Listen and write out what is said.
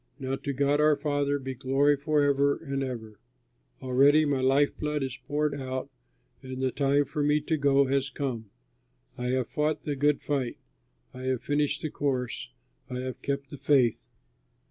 Now to God our Father be glory forever and ever. Already my life blood is poured out and the time for me to go has come. I have fought the good fight. I have finished the course, I have kept the faith.